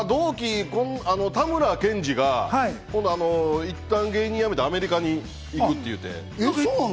たむらけんじがいったん芸人をやめて、アメリカに行くって言って。